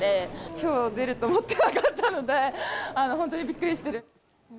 きょう出ると思ってなかったので、本当にびっくりしてる。